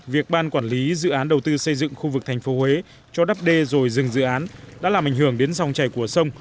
việc ban quản lý dự án đầu tư xây dựng khu vực thành phố huế cho đắp đê rồi dừng dự án đã làm ảnh hưởng đến dòng chảy của sông